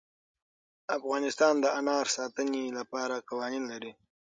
افغانستان د انار د ساتنې لپاره قوانین لري.